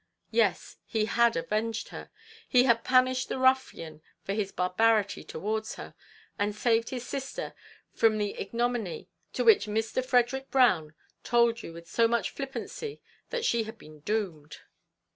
Yes; he had avenged her! he had punished the ruffian for his barbarity towards her, and saved his sister from the ignominy to which Mr. Frederick Brown told you with so much flippancy that she had been doomed.